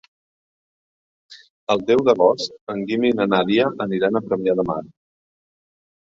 El deu d'agost en Guim i na Nàdia aniran a Premià de Mar.